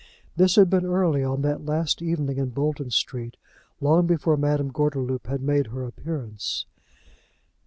This had been early on that last evening in Bolton Street, long before Madame Gordeloup had made her appearance.